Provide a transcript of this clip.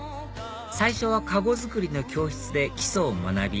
最初は籠作りの教室で基礎を学び